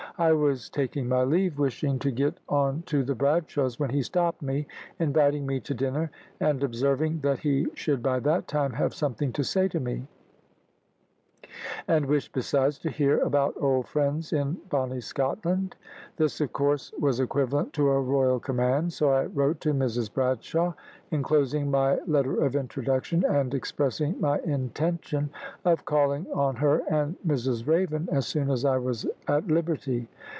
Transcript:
I was taking my leave, wishing to get on to the Bradshaws, when he stopped me, inviting me to dinner, and observing that he should by that time have something to say to me; and wished, besides, to hear about old friends in bonnie Scotland. This, of course, was equivalent to a royal command; so I wrote to Mrs Bradshaw, enclosing my letter of introduction, and expressing my intention of calling on her and Mrs Raven as soon as I was at liberty.